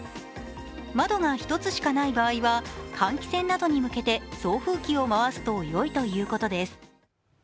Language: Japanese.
窓が１つしかない場合は、換気扇などに向けて送風機を回すとよいということです。